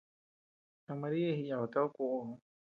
Ta María jiyaduta dikuoʼo.